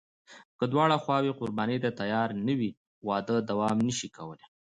که دواړه خواوې قرباني ته تیارې نه وي، واده دوام نشي کولی.